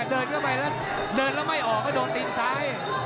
เดินแล้วไม่ออกก็โดนดินซ้าย